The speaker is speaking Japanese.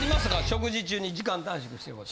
食事中に時間短縮してる事。